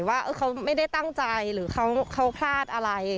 ว่าเขาไม่ได้ตั้งใจหรือเขาพลาดอะไร